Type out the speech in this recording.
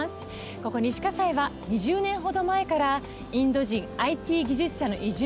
ここ西西は２０年ほど前からインド人ＩＴ技術者の移住が増え